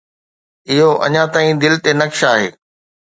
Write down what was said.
اهو اڃا تائين دل تي نقش آهي.